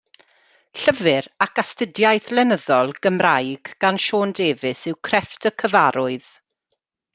Llyfr ac astudiaeth lenyddol, Gymraeg gan Sioned Davies yw Crefft y Cyfarwydd.